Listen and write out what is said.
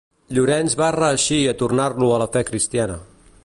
Llorenç va reeixir a tornar-lo a la fe cristiana.